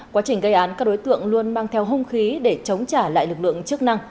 quá trình gây án các đối tượng luôn mang theo hung khí để chống trả lại lực lượng chức năng